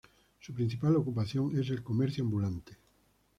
Su principal ocupación es el comercio ambulante.